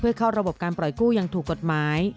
เพื่อเข้าระบบการปล่อยกู้อย่างถูกกฎหมาย